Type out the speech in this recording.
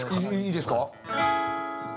いいですか？